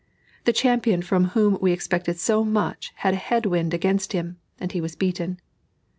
The champion from whom we expected so much had a head wind against him, and he was beaten.